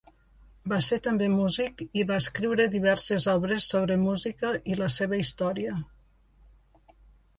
Va ser també músic i va escriure diverses obres sobre música i la seva història.